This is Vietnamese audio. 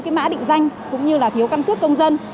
cái mã định danh cũng như là thiếu căn cước công dân